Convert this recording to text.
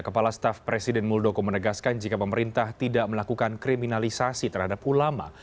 kepala staf presiden muldoko menegaskan jika pemerintah tidak melakukan kriminalisasi terhadap ulama